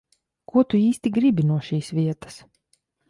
Ko tu īsti gribi no šīs vietas?